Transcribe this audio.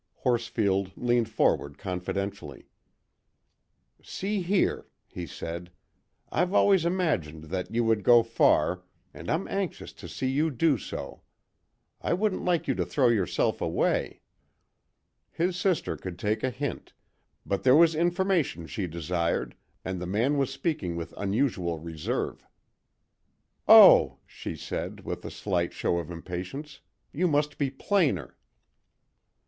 Horsfield leaned forward confidentially. "See here," he said, "I've always imagined that you would go far, and I'm anxious to see you do so. I wouldn't like you to throw yourself away." His sister could take a hint, but there was information she desired, and the man was speaking with unusual reserve. "Oh!" she said, with a slight show of impatience, "you must be plainer."